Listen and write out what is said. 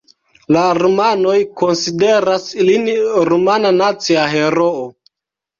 La rumanoj konsideras lin rumana nacia heroo.